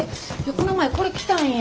この前これ来たんや。